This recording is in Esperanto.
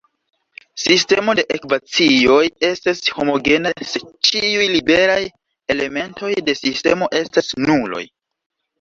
Sistemo de ekvacioj estas homogena se ĉiuj liberaj elementoj de sistemo estas nuloj.